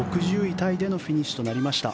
タイでのフィニッシュとなりました。